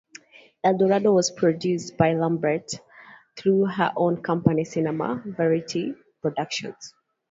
Eldorado was produced by Lambert through her own company "Cinema Verity Productions".